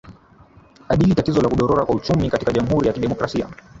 adili tatizo la kudorora kwa uchumi katika jamhuri ya kidemocrasia